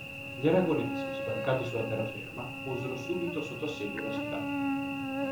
Gli aragonesi, sbarcati sulla terraferma, posero subito sotto assedio la città.